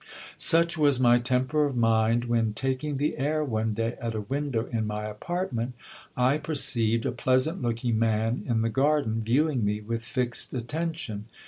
Such was my temper of mind, when, taking the air one day at a window in my apartment, I perceived a peasant looking man in the garden, viewing me with fixed attention.